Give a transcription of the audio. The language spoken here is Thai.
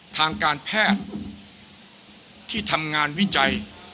ทางการแพทย์ที่ทำงานวิจัย